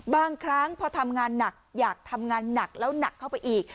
บางครั้งพอทำงานหนักอยากทำงานหนักแล้วหนักเข้าไปอีก